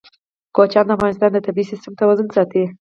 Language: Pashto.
کوچیان د افغانستان د طبعي سیسټم توازن ساتي.